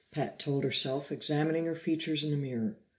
Pat told herself, examining her features in the mirror.